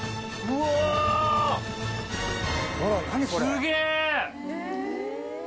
すげえ！